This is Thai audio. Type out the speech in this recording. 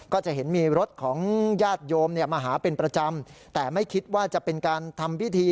ก็จะเห็นมีรถของญาติโยมเนี่ยมาหาเป็นประจำแต่ไม่คิดว่าจะเป็นการทำพิธี